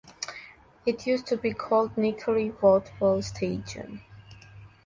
It used to be called Nickerie Voetbal Stadion.